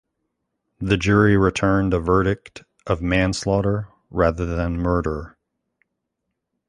The jury returned a verdict of manslaughter rather than murder.